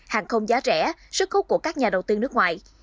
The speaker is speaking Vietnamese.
hàng không giá rẻ sức khúc của các nhà đầu tư nước ngoài